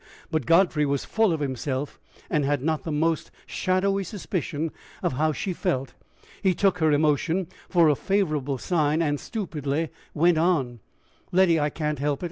But Godfrey was full of himself, and had not the most shadowy suspicion of how she felt. He took her emotion for a favorable sign, and stupidly went on: "Letty, I can't help it!